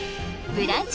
ブランチ